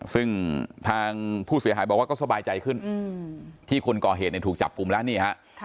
ซึ่งทางผู้เสียหายบอกว่าก็สบายใจขึ้นที่คนก่อเหตุถูกจับกลุ่มแล้วนี่ฮะ